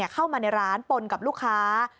เข้ามาในร้านปนกับลูกค้า